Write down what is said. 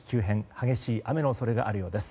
激しい雨の恐れがあるようです。